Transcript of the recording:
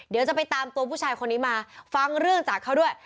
เดี๋ยวจะไปตามตัวผู้ชายคนนี้มาฟังเรื่องจากเขาด้วย